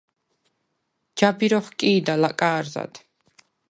ჯაბირ ოხკი̄და ლაკა̄რზად.